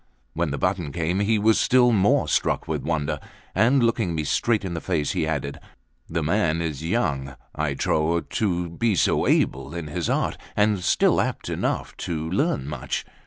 When the button came, he was still more struck with wonder: and looking me straight in the face, he added: "The man is young, I trow, to be so able in his art, and still apt enough to learn much."